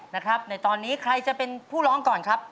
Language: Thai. ในตอนนี้ใครจะเป็นผู้ร้องก่อนนะครับ